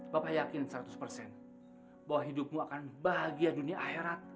bapak yakin seratus persen bahwa hidupmu akan bahagia dunia akhirat